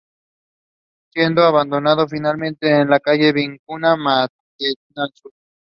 Siendo abandonado finalmente en la Calle Vicuña Mackenna Sur.